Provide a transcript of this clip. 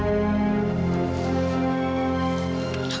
kamu gak apa apa